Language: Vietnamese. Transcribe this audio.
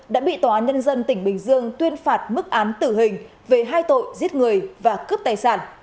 đã bị tòa án nhân dân tỉnh bình dương tuyên phạt mức án tử hình về hai tội giết người và cướp tài sản